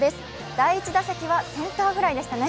第１打席はセンターフライでしたね